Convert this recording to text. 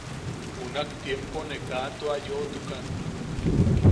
Junak tiempo ne ka tua yoʼotukan.